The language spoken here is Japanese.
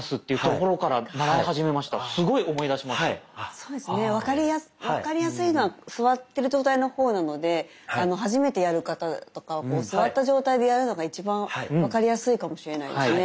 そうですね分かりやすいのは座ってる状態の方なので初めてやる方とかは座った状態でやるのが一番分かりやすいかもしれないですね。